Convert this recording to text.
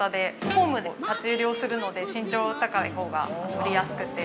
ホームで立ち売りをするので、身長が高いほうが、売りやすくて。